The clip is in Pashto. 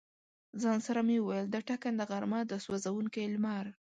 ځان سره مې ویل: دا ټکنده غرمه، دا سوزونکی لمر.